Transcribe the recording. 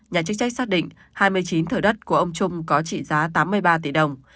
nhà chức trách xác định hai mươi chín thửa đất của ông trung có trị giá tám mươi ba tỷ đồng